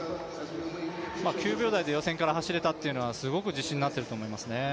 ９秒台で予選から走れたというのはすごく自信になってると思います。